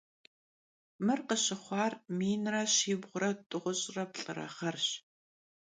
Mır khışıxhuar minre şibğure t'oş're plh'ıre ğerş.